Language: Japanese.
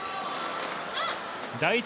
第１